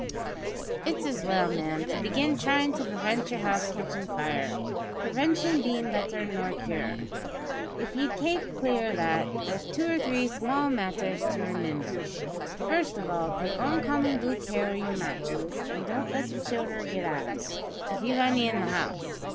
"It's as well, ma'am, to begin by tryin' to prevent yer house ketchin' fire prevention bein' better nor cure. If ye'd kape clear o' that, there's two or three small matters to remimber. First of all, take oncommon good care o' your matches, an' don't let the childer git at 'em, if you've any in the house.